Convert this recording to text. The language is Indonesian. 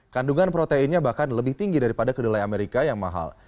kandungan proteinnya bahkan lebih tinggi daripada kedelai amerika yang mahal